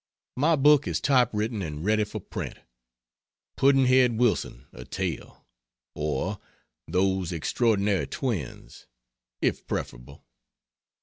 My book is type written and ready for print "Pudd'nhead Wilson a Tale." (Or, "Those Extraordinary Twins," if preferable.)